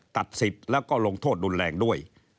ตัดสิทธิ์แล้วก็ลงโทษรุนแรงด้วย